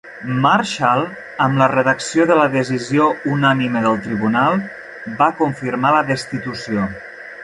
Marshall, amb la redacció de la decisió unànime del tribunal, va confirmar la destitució.